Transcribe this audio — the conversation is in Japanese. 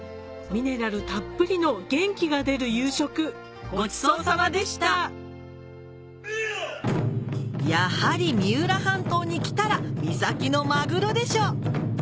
ミネラルたっぷりの元気が出る夕食ごちそうさまでしたやはり三浦半島に来たら三崎のマグロでしょう